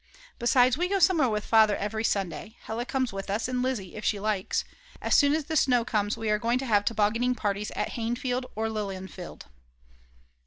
Besides, we go somewhere with Father every Sunday, Hella comes with us, and Lizzi if she likes. As soon as the snow comes we are going to have tobogganing parties at Hainfeld or Lilienfeld.